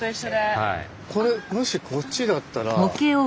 これもしこっちだったら。